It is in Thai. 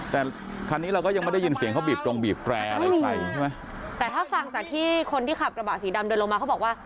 แต่คันนี้เราก็ยังไม่ได้ยินเสียงเขาบีบตรงบีบแปรอะไรใส่ใช่ไหมแต่ถ้าฟังจากที่คนที่ขับกระบะสีดำเดินลงมาเขาบอกว่า